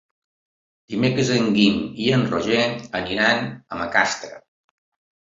Dimecres en Guim i en Roger aniran a Macastre.